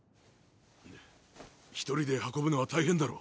１人で運ぶのは大変だろ。